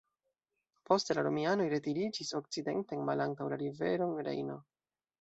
Poste la romianoj retiriĝis okcidenten malantaŭ la riveron Rejno.